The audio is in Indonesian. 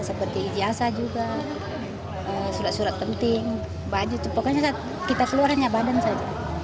seperti ijasa juga surat surat penting baju itu pokoknya kita keluar hanya badan saja